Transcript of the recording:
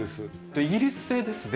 イギリス製ですね。